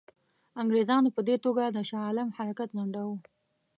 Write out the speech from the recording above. انګرېزانو په دې توګه د شاه عالم حرکت ځنډاوه.